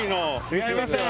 違いますよ。